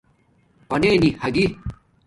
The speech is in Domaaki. پاننی ھاگی